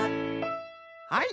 はい！